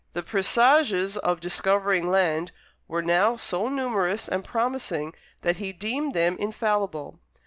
The presages of discovering land were now so numerous and promising that he deemed them infallible.